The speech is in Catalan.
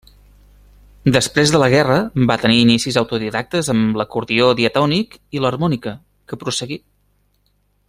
Després de la guerra va tenir inicis autodidactes amb l'acordió diatònic i l'harmònica, que prosseguí.